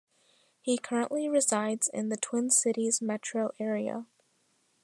He currently resides in the Twin Cities Metro Area.